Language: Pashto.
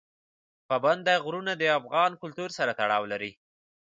پابندی غرونه د افغان کلتور سره تړاو لري.